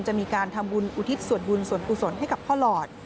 จะมีการทำบุญอุทิศส่วนบุญส่วนกุศลให้กับพ่อหลอด